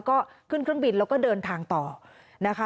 ก็ขึ้นเครื่องบินแล้วก็เดินทางต่อนะคะ